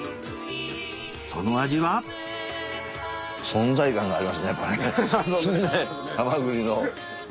その味は存在感がありますねハマグリの。